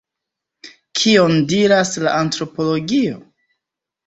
Kion diras la antropologio?